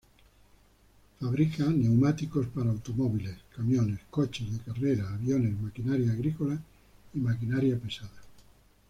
Fabrica neumáticos para automóviles, camiones, coches de carreras, aviones, maquinaria agrícola y maquinaria pesada.